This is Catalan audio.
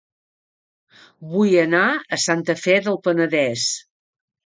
Vull anar a Santa Fe del Penedès